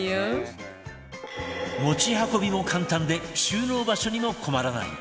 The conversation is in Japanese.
持ち運びも簡単で収納場所にも困らない